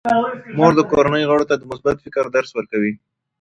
مور د کورنۍ غړو ته د مثبت فکر درس ورکوي.